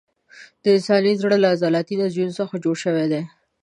د انسان زړه له عضلاتي نسجونو څخه جوړ شوی دی.